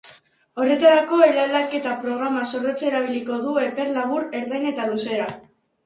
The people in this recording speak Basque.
Horretarako, eraldaketa-programa zorrotza erabiliko du epe labur, ertain eta luzera.